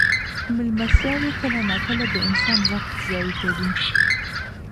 مېلمستیاوې کله ناکله د انسان وخت ضایع کوي.